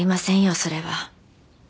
それは。